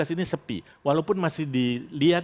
sini sepi walaupun masih dilihat